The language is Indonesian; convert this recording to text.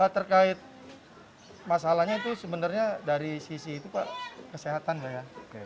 terkait masalahnya itu sebenarnya dari sisi itu pak kesehatan lah ya